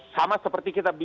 sama seperti kita